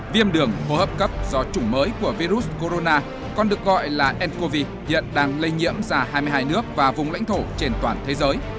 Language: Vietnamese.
viêm đường hô hấp cấp do chủng mới của virus corona còn được gọi là ncov hiện đang lây nhiễm ra hai mươi hai nước và vùng lãnh thổ trên toàn thế giới